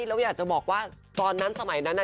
แล้วอยากจะบอกว่าตอนนั้นสมัยนั้น